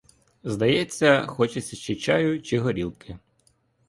Здається, хочеться чи чаю, чи горілки.